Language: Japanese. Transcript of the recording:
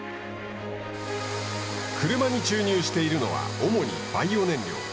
車に注入しているのは主にバイオ燃料。